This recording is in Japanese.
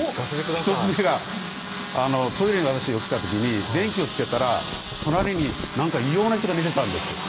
１つ目がトイレに私起きた時に電気をつけたら隣に異様な人が寝てたんです